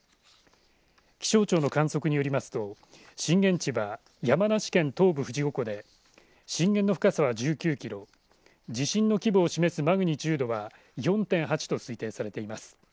気象庁の観測によりますと震源地は山梨県東部富士五湖で震源の深さは１９キロ地震の規模を示すマグニチュードは４．８と推定されています。